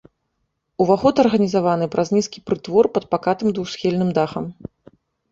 Уваход арганізаваны праз нізкі прытвор пад пакатым двухсхільным дахам.